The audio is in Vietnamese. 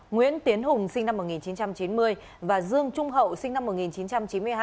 nguyễn tiến hùng sinh năm một nghìn chín trăm chín mươi và dương trung hậu sinh năm một nghìn chín trăm chín mươi hai